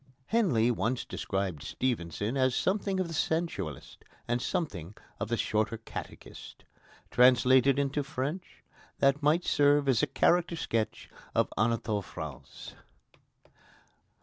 Henley once described Stevenson as something of the sensualist, and something of the Shorter Catechist. Translated into French, that might serve as a character sketch of Anatole France.